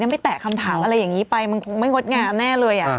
ไม่แตะคำถามอะไรอย่างนี้ไปมันคงไม่งดงามแน่เลย